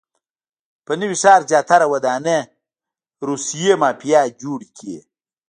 په نوي ښار کې زیاتره ودانۍ روسیې مافیا جوړې کړي.